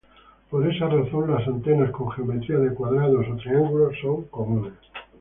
Por esa razón, las antenas con geometría de cuadrados o triángulos son comunes.